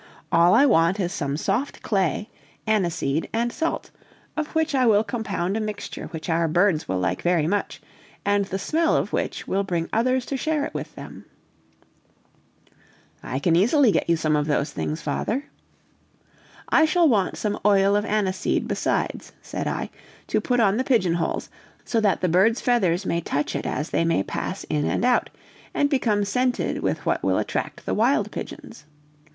All I want is some soft clay, aniseed, and salt, of which I will compound a mixture which our birds will like very much, and the smell of which will bring others to share it with them." "I can easily get you those things, father." "I shall want some oil of aniseed besides," said I, "to put on the pigeon holes, so that the birds' feathers may touch it as they may pass in and out, and become scented with what will attract the wild pigeons.